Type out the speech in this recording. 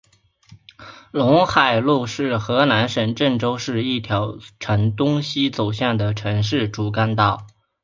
陇海路是河南省郑州市一条呈东西走向的城市主干道。